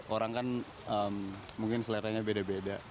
orang kan mungkin seleranya beda beda